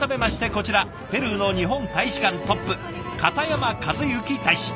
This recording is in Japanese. こちらペルーの日本大使館トップ片山和之大使。